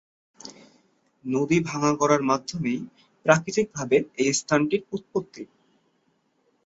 নদীর ভাঙা-গড়ার মধ্যেই প্রাকৃতিকভাবে এই স্থানটির উৎপত্তি।